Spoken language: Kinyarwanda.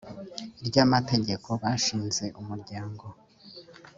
ry amategeko bashinze umuryango